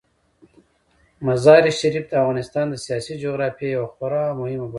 مزارشریف د افغانستان د سیاسي جغرافیې یوه خورا مهمه برخه ده.